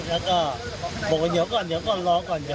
แล้วก็บอกว่าเดี๋ยวก่อนเดี๋ยวก่อนรอก่อนเดี๋ยว